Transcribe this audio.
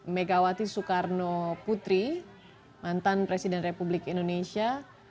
megawati soekarno putri mantan presiden republik indonesia